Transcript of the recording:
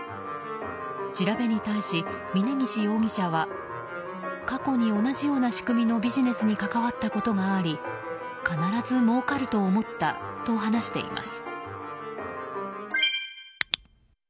調べに対し、峯岸容疑者は過去に同じような仕組みのビジネスに関わったことがあり必ずもうかると思ったと話しています。